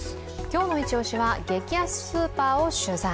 今日のイチオシは激安スーパーを取材。